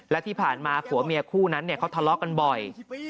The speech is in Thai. และที่ผ่านมาผัวเมียคู่นั้นเขาทะเลาะกันบ่อย